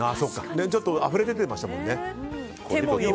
ちょっとあふれ出てましたもんね。